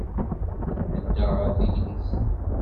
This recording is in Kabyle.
Nedda ɣer teglizt.